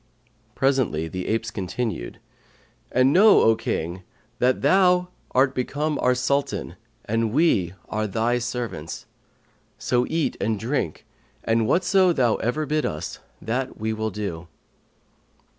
Presently the apes continued, 'And know, O King, that thou art become our Sultan and we are thy servants; so eat and drink, and whatso thou ever bid us, that will we do.'